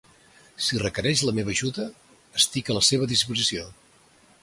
Si requereix la meva ajuda, estic a la seva disposició.